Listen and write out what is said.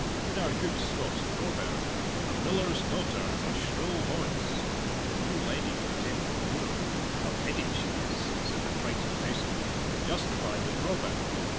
In our good Scots proverb, "A miller's daughter has a shrill voice," and the new leddy of Templandmuir ("a leddy she is!" said the frightened housekeeper) justified the proverb.